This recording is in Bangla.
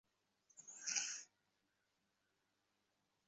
কত্ত ভালো মেয়েটা!